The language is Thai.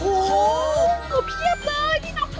โหสุดเผียบเลยนี่นกพลัส